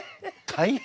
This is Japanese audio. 大変！